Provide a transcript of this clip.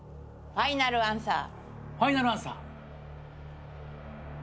ファイナルアンサー。